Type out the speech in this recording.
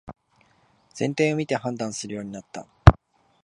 全体を見て判断するようになった